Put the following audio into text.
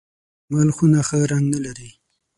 د اېمل خونه ښه رنګ نه لري .